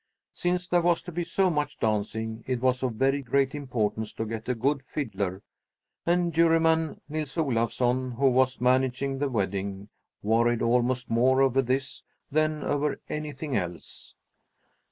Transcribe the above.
Since there was to be so much dancing, it was of very great importance to get a good fiddler, and Juryman Nils Olafsson, who was managing the wedding, worried almost more over this than over anything else.